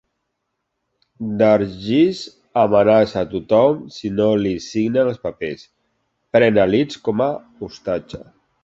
Dargis amenaça a tothom si no li signen els papers, pren a Liz com a ostatge.